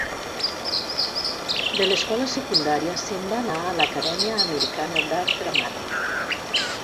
De l'escola secundària se'n va anar a l'Acadèmia Americana d'Art Dramàtic.